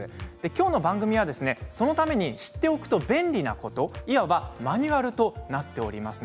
今日の番組はそのために知っておくと便利なこと、いわばマニュアルとなっております。